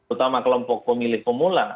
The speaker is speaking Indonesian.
utama kelompok pemilih pemula